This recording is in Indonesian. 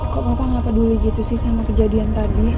kok papa gak peduli gitu sih sama kejadian tadi